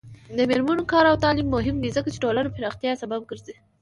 د میرمنو کار او تعلیم مهم دی ځکه چې ټولنې پراختیا سبب ګرځي.